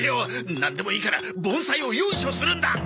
なんでもいいから盆栽をヨイショするんだ！